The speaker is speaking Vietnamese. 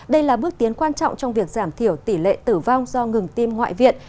đây là bước tiến quan trọng trong việc giảm thiểu tỷ lệ tử vong do ngừng tim ngoại viện